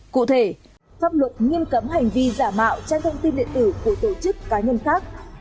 cụ thể pháp luật nghiêm cấm hành vi giả mạo trang thông tin điện tử của tổ chức cá nhân khác